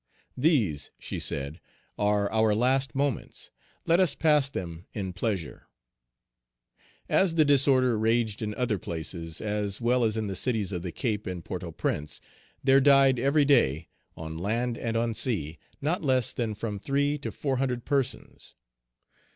"These," she said, "are our last moments; let us pass them in pleasure." As the disorder raged in other places as well as in the cities of the Cape and Port au Prince, there died every day, on land and on sea, not less than from three to four hundred persons.